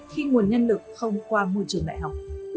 khi nguồn nhân lực không qua môi trường đại học